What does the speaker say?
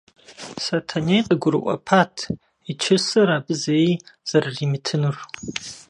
Сэтэней къыгурыӀуэпат и чысэр абы зэи зэрыримытынур.